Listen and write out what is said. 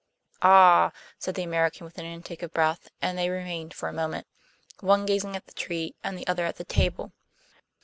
"Ah!" said the American, with an intake of breath, and they remained for a moment, one gazing at the tree and the other at the table.